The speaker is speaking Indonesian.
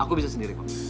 aku bisa sendiri